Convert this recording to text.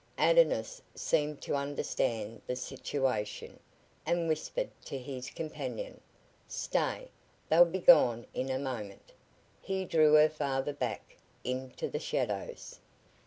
Adonis seemed to understand the situation, and whispered to his companion: "Stay. They'll be gone in a moment." He drew her farther back into the shadows.